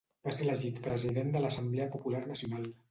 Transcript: Va ser elegit president de l'Assemblea Popular Nacional.